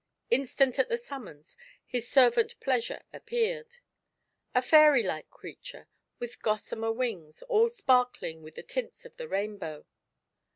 Instant at the summons his servant Pleasure appeared. A fairy like creature, with gossamer wings, all sparkling with the tints of the rainbow.